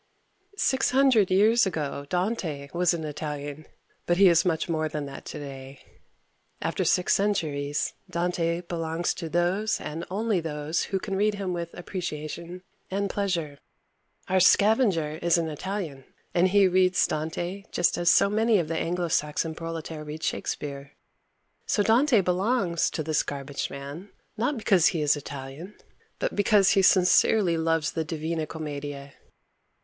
Six hundred years ago Dante was an Italian, but he is much more than that today. After six centuries Dante belongs to all those and only those who can read him with appreciation and pleasure. Our scavenger is an Italian, and he reads Dante just as so many of the Anglo Saxon proletair read Shakespeare. So Dante belongs to this garbage man, not because he is Italian, but because he sincerely loves the Divina Commedia.